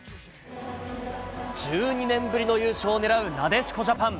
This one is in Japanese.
１２年ぶりの優勝を狙うなでしこジャパン。